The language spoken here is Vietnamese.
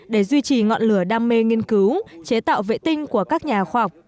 để duy trì ngọn lửa đam mê nghiên cứu chế tạo vệ tinh của các nhà khoa học